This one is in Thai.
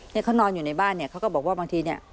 นี่เขานอนอยู่ในบ้านเขาก็บอกว่าบางทีนี่